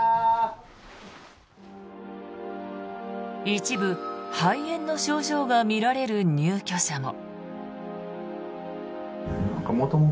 一部、肺炎の症状が見られる入居者も。